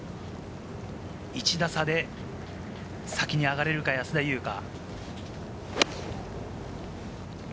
１打差で先に上がれるか、安田祐香。